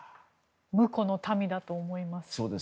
むこの民だと思います。